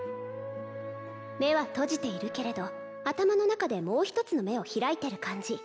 目は閉じているけれど頭の中でもう一つの目を開いてる感じ